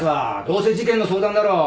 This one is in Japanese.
どうせ事件の相談だろ？